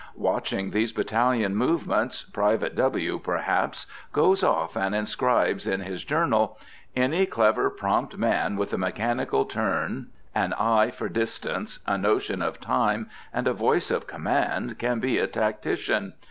Watching these battalion movements, Private W., perhaps, goes off and inscribes in his journal, "Any clever, prompt man, with a mechanical turn, an eye for distance, a notion of time, and a voice of command, can be a tactician.